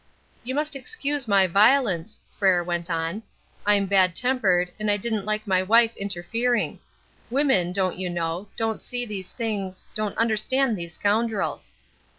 "You must excuse my violence," Frere went on. "I'm bad tempered, and I didn't like my wife interfering. Women, don't you know, don't see these things don't understand these scoundrels."